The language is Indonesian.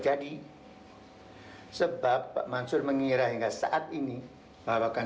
ayo bantu siram